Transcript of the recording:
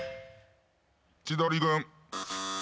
千鳥軍。